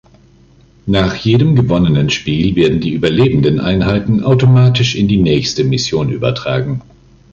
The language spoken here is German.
Nach jedem gewonnenen Spiel werden die überlebenden Einheiten automatisch in die nächste Mission übertragen.